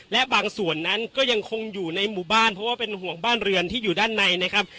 และบางส่วนนั้นก็ยังคงอยู่ในหมู่บ้านเพราะว่าเป็นห่วงบ้านเรือนที่อยู่ด้านในนะครับ